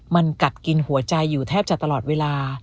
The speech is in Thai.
มันกัดกินหัวใจอยู่แทบจะตลอดเวลา